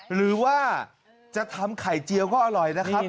หรือว่าจะทำไข่เจียวก็อร่อยนะครับ